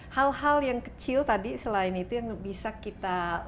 hal hal yang kecil tadi selain itu yang bisa kita lakukan